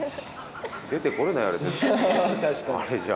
出て来れないあれじゃ。